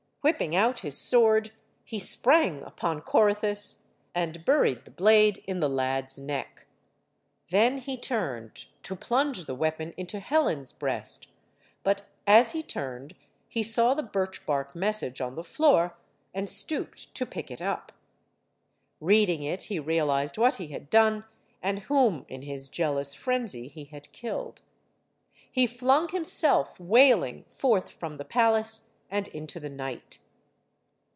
Whipping out his sword, he sprang upon Corythus, and buried the blade in the lad's neck. Then he turned, to plunge the weapon into Helen's breast. But, as he turned, he saw the birch bark message on the floor and stooped to pick it up. Reading it, he realized what he had done, and whom, in his jealous frenzy, he had killed. He flung himself, wailing, forth from the palace and into the night.